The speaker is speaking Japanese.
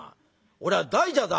俺は大蛇だ！」。